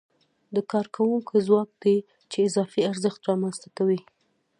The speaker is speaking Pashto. د کارکوونکو ځواک دی چې اضافي ارزښت رامنځته کوي